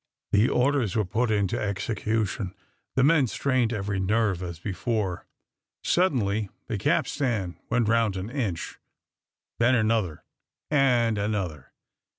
The orders were put into execution. The men strained every nerve as before. Suddenly the capstan went round an inch; then another and another.